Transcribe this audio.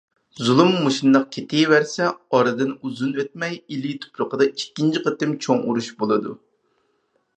زۇلۇم مۇشۇنداق كېتىۋەرسە ئارىدىن ئۇزۇن ئۆتمەي، ئىلى تۇپرىقىدا ئىككىنچى قېتىم چوڭ ئۇرۇش بولىدۇ.